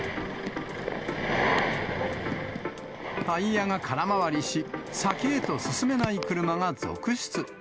タイヤが空回りし、先へと進めない車が続出。